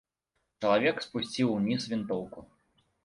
Чалавек спусціў уніз вінтоўку.